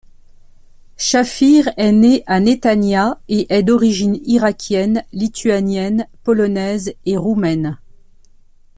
Shaffir est née à Netanya et est d'origine irakienne, lituanienne, polonaise et roumaine.